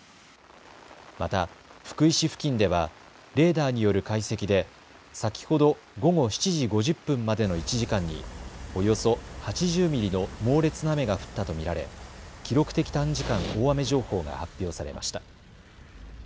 また福井市付近ではレーダーによる解析で先ほど午後７時５０分までの１時間におよそ８０ミリの猛烈な雨が降ったと見られ記録的短時間大雨情報が発表されました。